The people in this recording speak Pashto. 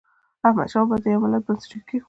احمد شاه بابا د یو ملت بنسټ کېښود.